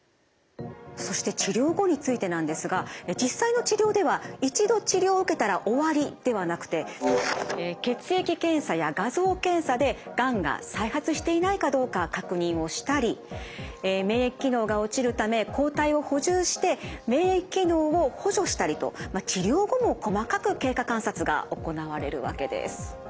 そして治療後についてなんですが実際の治療では一度治療を受けたら終わりではなくて血液検査や画像検査でがんが再発していないかどうか確認をしたり免疫機能が落ちるため抗体を補充して免疫機能を補助したりと治療後も細かく経過観察が行われるわけです。